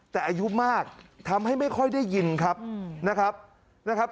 แต่อายุมากทำให้ไม่ค่อยได้ยินครับนะครับ